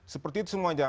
seperti itu semuanya